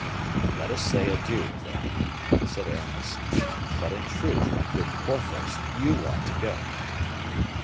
"Let us say adieu, then," said Aramis; "but in truth, my good Porthos, you ought to go."